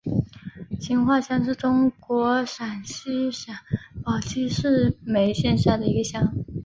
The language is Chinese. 青化乡是中国陕西省宝鸡市眉县下辖的一个乡。